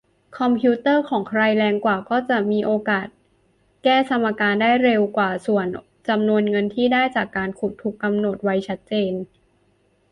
คอมพิวเตอร์ของใครแรงกว่าก็จะมีโอกาสแก้สมการได้เร็วกว่า ส่วนจำนวนเงินที่ได้จากการขุดถูกกำหนดไว้ชัดเจน